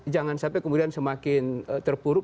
jangan sampai kemudian semakin terpuruk